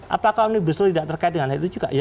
apakah omnibus slow tidak terkait dengan hal itu juga